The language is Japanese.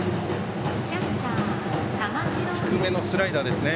低めのスライダーですね。